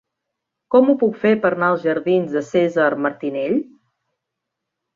Com ho puc fer per anar als jardins de Cèsar Martinell?